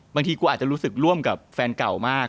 บางทีกูอาจจะรู้สึกร่วมกับแฟนเก่ามาก